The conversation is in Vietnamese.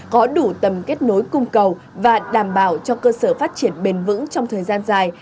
có đủ tầm kết nối cung cầu và đảm bảo cho cơ sở phát triển bền vững trong thời gian dài